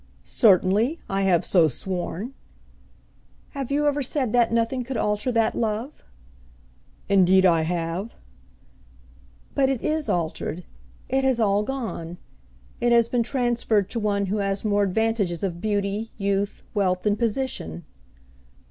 "Certainly, I have so sworn." "Have you ever said that nothing could alter that love?" "Indeed I have." "But it is altered. It has all gone. It has been transferred to one who has more advantages of beauty, youth, wealth, and position."